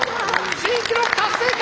新記録達成か？